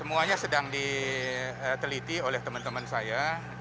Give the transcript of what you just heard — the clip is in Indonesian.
semuanya sedang diteliti oleh teman teman saya